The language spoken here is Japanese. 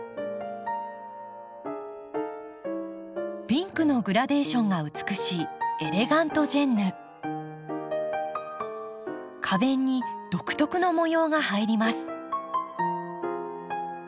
ピンクのグラデーションが美しい花弁に独特の模様が入ります。